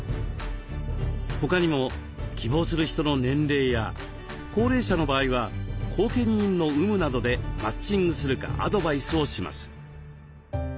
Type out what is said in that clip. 他にも希望する人の年齢や高齢者の場合は後見人の有無などでマッチングするかアドバイスをします。